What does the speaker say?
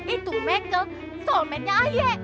itu mekel tolmennya aye